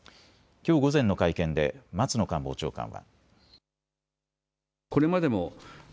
きょう午前の会見で松野官房長官は。